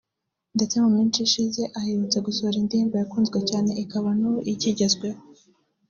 ndetse mu minsi ishize ahurutse gusohora indirimbo yakunzwe cyane ikaba n’ubu ikigezweho